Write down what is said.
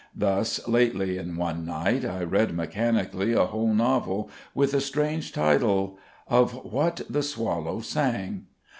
Thus lately in one night I read mechanically a whole novel with a strange title, "Of What the Swallow Sang."